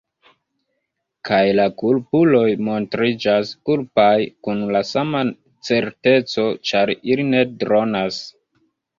Kaj la kulpuloj montriĝas kulpaj kun la sama certeco ĉar ili ne dronas.